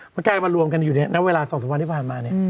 มันกลายมารวมกันอยู่ในเวลา๒๓วันที่ผ่านมาเนี่ย